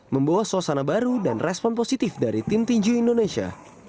membawa suasana baru dan respon positif dari tim tinju indonesia